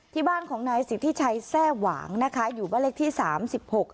ที่บ้านของนายสิทธิชัยแทร่หวางนะคะอยู่บ้านเลขที่สามสิบหก